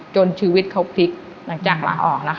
จนชีวิตเขาพลิกหลังจากลาออกนะคะ